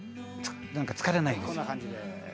なんか疲れないんです」